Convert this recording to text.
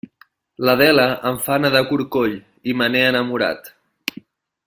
L'Adela em fa anar de corcoll i me n'he enamorat.